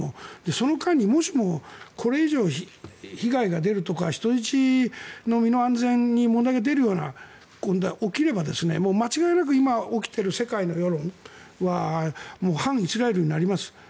その間にもしもこれ以上被害が出るとか人質の身の安全に問題が出るようなことが起きればもう間違いなく今起きている世界の世論は反イスラエルになります。